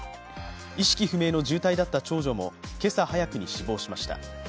意識不明の重体だった長女も今朝早くに死亡しました。